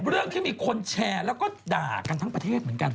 เรื่องที่มีคนแชร์แล้วก็ด่ากันทั้งประเทศเหมือนกัน